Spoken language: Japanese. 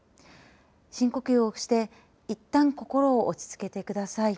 深呼吸をしていったん心を落ち着けてください。